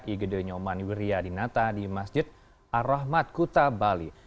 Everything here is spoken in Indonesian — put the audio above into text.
igede nyoman wiryadinata di masjid ar rahmat kuta bali